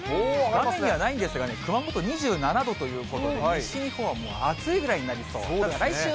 画面にはないんですが、熊本２７度ということで、西日本はもう暑いぐらいになりそう。